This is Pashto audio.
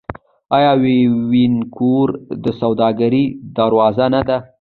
آیا وینکوور د سوداګرۍ دروازه نه ده؟